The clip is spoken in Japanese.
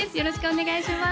お願いします！